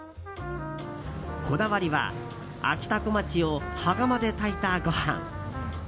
こだわりは、あきたこまちを羽釜で炊いたご飯。